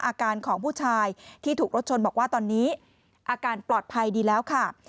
อาการของผู้ชายที่ถูกรถชนบอกว่าตอนนี้อาการปลอดภัยดีแล้วค่ะ